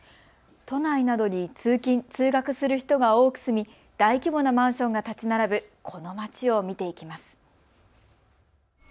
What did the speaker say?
都内などに通勤・通学する人が多く住み、大規模なマンションが建ち並ぶこの町を見ていきます。